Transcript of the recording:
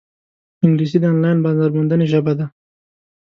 انګلیسي د آنلاین بازارموندنې ژبه ده